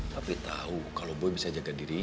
tapi tau kalau boy bisa jaga diri